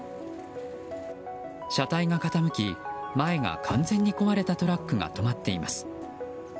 車体が傾き前が完全に壊れたトラックが止まっています。